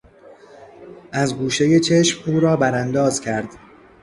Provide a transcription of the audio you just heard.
از گوشهی چشم او را برانداز کرد.